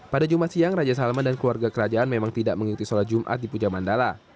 pada jumat siang raja salman dan keluarga kerajaan memang tidak mengikuti sholat jumat di puja mandala